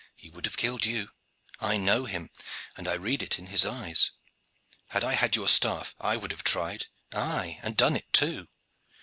"He would have killed you. I know him, and I read it in his eyes. Had I had your staff I would have tried aye, and done it, too."